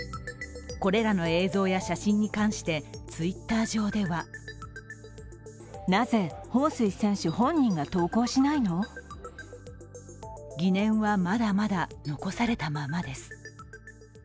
これらの映像や写真に関してＴｗｉｔｔｅｒ上では疑念はまだまだ残されたままです。